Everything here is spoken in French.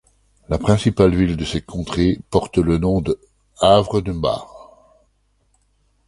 La principale ville de cette contrée porte le nom de Havres d'Umbar.